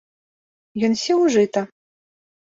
Ён сеў у жыта.